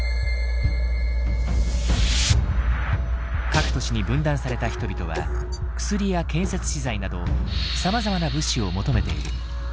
各都市に分断された人々は薬や建設資材などさまざまな物資を求めている。